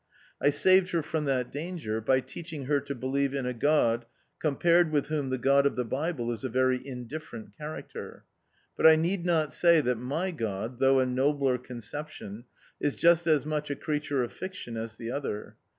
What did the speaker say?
I saved her from that danger, by teaching her to believe in a God, compared with whom the God of the Bible is a very indifferent character. But I need not say that my God, though a nobler conception, is just as much a creature of fiction as the other.